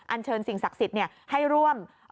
เชิญสิ่งศักดิ์สิทธิ์ให้ร่วม